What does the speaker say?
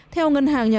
theo ngân hàng nhân hàng